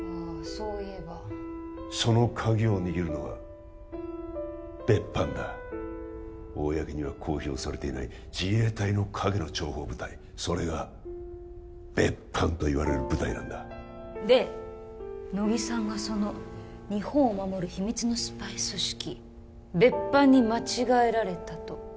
そう言えばそのカギを握るのが別班だ公には公表されていない自衛隊の陰の諜報部隊それが別班といわれる部隊なんだで乃木さんがその日本を守る秘密のスパイ組織別班に間違えられたと？